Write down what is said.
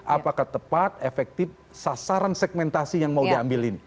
apakah tepat efektif sasaran segmentasi yang mau diambilin